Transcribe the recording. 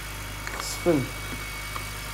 Xesfen.